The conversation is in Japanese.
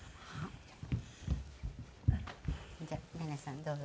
じゃあネネさんどうぞ。